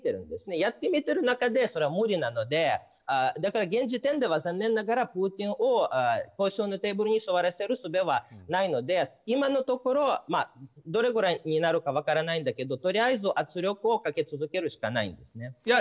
やってみてる中でそれは無理なのでだから現時点では残念ながらプーチンを交渉のテーブルに座らせるすべはないので今のところ、どれぐらいになるか分からないんだけどとりあえず圧力をかけ続けるしかないんですね。